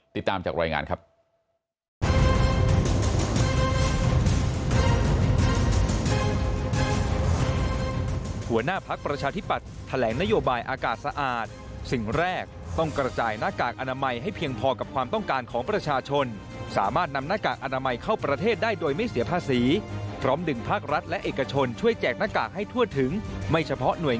ติดตามจากรายงานครับ